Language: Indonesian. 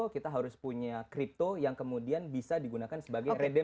kita harus punya kripto yang kemudian bisa digunakan sebagai redem